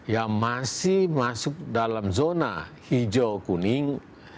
yang masih masuk dalam zona hijau kuning